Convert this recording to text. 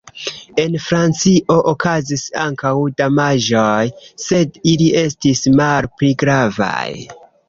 En Francio okazis ankaŭ damaĝoj, sed ili estis malpli gravaj.